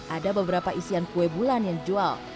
ada beberapa isian kue bulan yang dijual